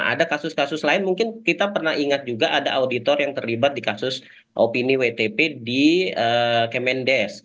ada kasus kasus lain mungkin kita pernah ingat juga ada auditor yang terlibat di kasus opini wtp di kemendes